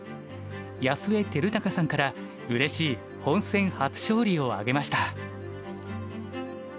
安恵照剛さんからうれしい本戦初勝利を挙げました。